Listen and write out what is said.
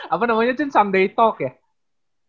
apa namanya chen sunday talk ya